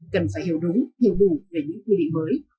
cần phải hiểu đúng hiểu đủ về những quy định mới